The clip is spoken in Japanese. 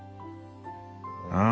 ああ。